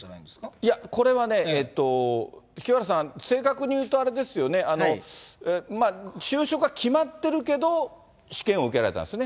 いや、これはね、えーっと、清原さん、正確に言うとあれですよね、就職は決まっているけど、試験を受けられたんですよね。